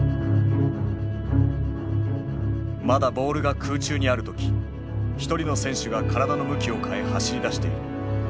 まだボールが空中にある時一人の選手が体の向きを変え走りだしている。